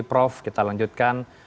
prof kita lanjutkan